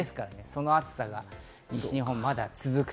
その暑さが西日本、まだ続く。